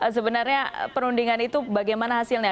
sebenarnya perundingan itu bagaimana hasilnya